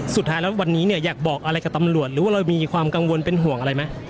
สุดท้ายแล้ววันนี้เนี่ยอยากบอกอะไรกับตำรวจหรือว่าเรามีความกังวลเป็นห่วงอะไรไหม